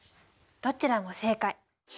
どちらも正解。